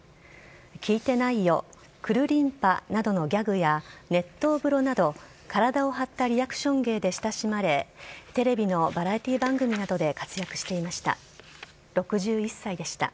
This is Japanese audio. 聞いてないよくるりんぱなどの熱湯風呂など体を張ったリアクション芸で親しまれテレビのバラエティー番組などで活躍していました。